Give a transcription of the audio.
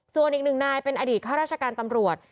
ส่วนอีกหนึ่งนายเป็นอดีตข้าราชการตำรวจ